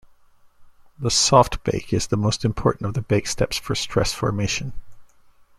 The soft bake is the most important of the bake steps for stress formation.